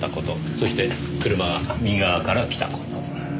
そして車が右側から来た事。